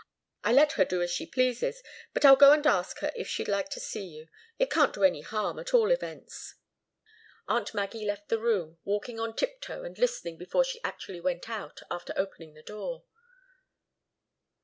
I let her do as she pleases. But I'll go and ask her if she'd like to see you. It can't do any harm, at all events." Aunt Maggie left the room, walking on tiptoe and listening before she actually went out, after opening the door.